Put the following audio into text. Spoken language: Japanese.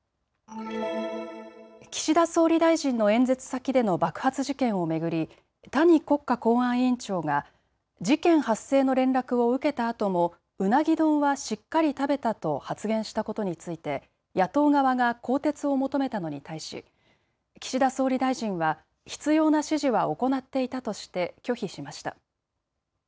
岸田総理大臣の演説先での爆発事件を巡り谷国家公安委員長が事件発生の連絡を受けたあともうなぎ丼はしっかり食べたと発言したことについて野党側が更迭を求めたのに対し岸田総理大臣は必要な指示は行っていたとして拒否しました。